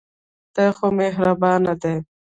خدای خو مهربانه دی.